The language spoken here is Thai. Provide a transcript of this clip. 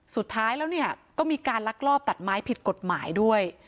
สุดท้ายแล้วเนี่ยก็มีการลักลอบตัดไม้ผิดกฎหมายด้วย